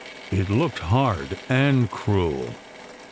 It looked hard and cruel.